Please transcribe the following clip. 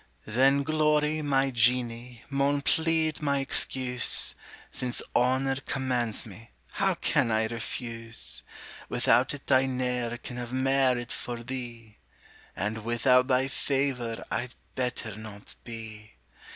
Then glory, my Jeany, maun plead my excuse; Since honor commands me, how can I refuse? Without it I ne'er can have merit for thee, And without thy favor I'd better not be.